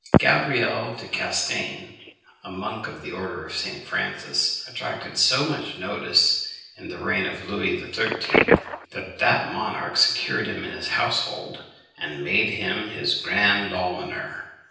Gabriel de Castaigne, a monk of the order of St. Francis, attracted so much notice in the reign of Louis XIII., that that monarch secured him in his household, and made him his Grand Almoner.